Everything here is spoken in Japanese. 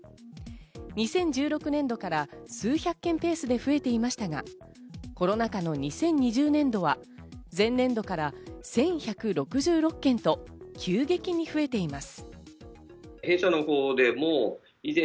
２０１６年度から数百件ペースで増えていましたが、コロナ禍の２０２０年度は前年度から１１６６件と急激に増えています。